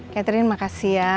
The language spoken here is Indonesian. catherine makasih ya